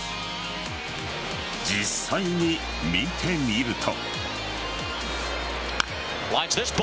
実際に見てみると。